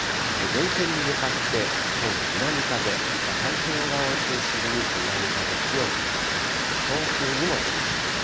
前線に向かって、きょうも南風、太平洋側を中心に南風強く吹きますので、強風にも注意です。